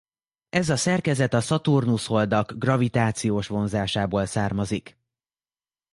Ez a szerkezet a Szaturnusz-holdak gravitációs vonzásából származik.